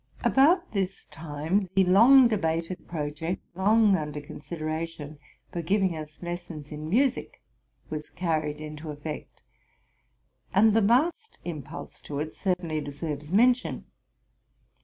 About this time the long debated project, long under con sideration, for giving us lessons in music, was carried into effect ; and the last impulse to it certainly deserves mention.